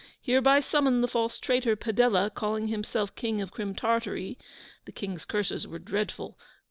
'Hereby summon the false traitor, Padella, calling himself King of Crim Tartary ' The King's curses were dreadful.